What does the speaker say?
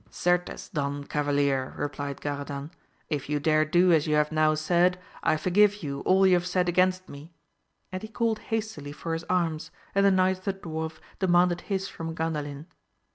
Certes, Don Cava lier, replied Garadan, if you dare do as you have now said, I forgive you all you have said against me, and he called hastily for his arms, and the Knight of the Dwarf demanded his from Gandalin.